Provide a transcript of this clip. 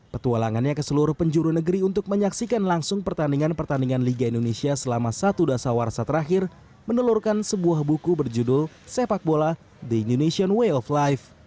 petualangannya ke seluruh penjuru negeri untuk menyaksikan langsung pertandingan pertandingan liga indonesia selama satu dasar warsa terakhir menelurkan sebuah buku berjudul sepak bola the indonesian way of life